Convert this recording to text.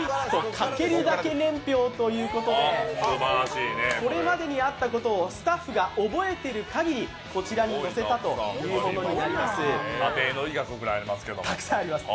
書けるだけ年表ということでこれまでにあったことをスタッフが覚えている限りこちらに載せたということになります、たくさんあります。